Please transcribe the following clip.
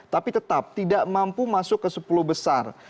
tapi tetap tidak mampu masuk ke sepuluh besar